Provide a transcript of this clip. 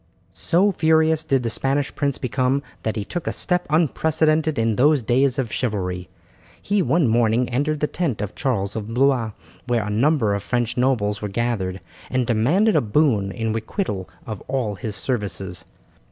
So furious did the Spanish prince become that he took a step unprecedented in those days of chivalry. He one morning entered the tent of Charles of Blois, where a number of French nobles were gathered, and demanded a boon in requital of all his services.